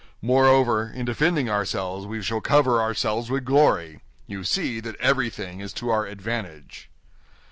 Moreover, in defending ourselves, we shall cover ourselves with glory. You see that everything is to our advantage."